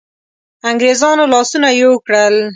انګرېزانو لاسونه یو کړل.